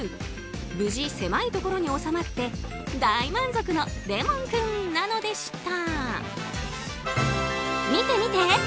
無事、狭いところに収まって大満足のレモン君なのでした。